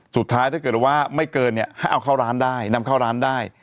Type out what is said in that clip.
สุดท้ายถ้าเกิดว่าไม่เกินนำเข้าร้านได้